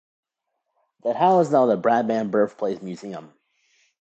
That house is now the Bradman Birthplace Museum.